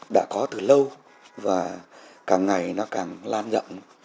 đã có từ lâu và càng ngày nó càng lan rộng